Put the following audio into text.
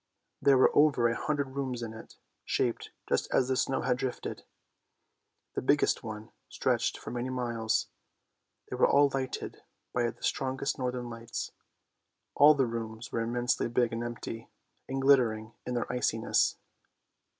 There were over a hundred rooms in it, shaped just as the snow had drifted. The biggest one stretched for many miles. They were all lighted by the strongest northern lights. All the rooms were im mensely big and empty, and glittering in their iciness.